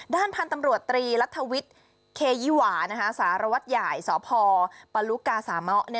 ด้านพันธุ์ตำรวจตรีรัฐวิทย์เคยิหวาสารวัตรใหญ่สพปลุกาสามะ